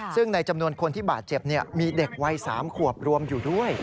ซึ่งในจำนวนคนที่บาดเจ็บมีเด็กวัย๓ขวบรวมอยู่ด้วย